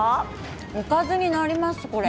おかずになりますね、これ。